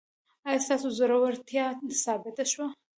ایا ستاسو زړورتیا ثابته شوه؟